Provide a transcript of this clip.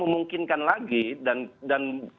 memungkinkan lagi dan